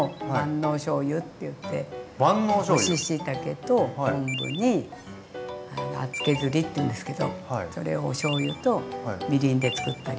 干ししいたけと昆布に厚削りっていうんですけどそれをおしょうゆとみりんで作ったり。